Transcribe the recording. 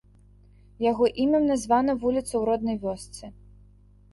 Яго імем названа вуліца ў роднай вёсцы.